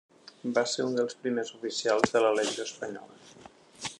Va ser un dels primers oficials de la Legió Espanyola.